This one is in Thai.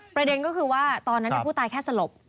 ประเด็นก็คือว่าตอนนั้นผู้ตายแค่สลบ